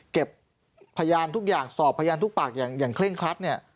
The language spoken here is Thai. เก็บพยานทุกอย่างสอบพยานทุกปากอย่างเคร่งครัดเนี่ย